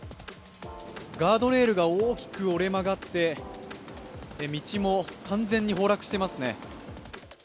ガードレールが大きく折れ曲がって、道も完全に崩落していますね。